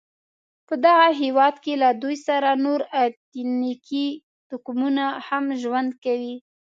په دغه هېواد کې له دوی سره نور اتنیکي توکمونه هم ژوند کوي.